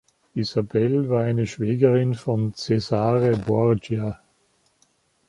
Isabelle war eine Schwägerin von Cesare Borgia.